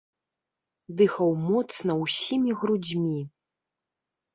Дыхаў моцна ўсімі грудзьмі.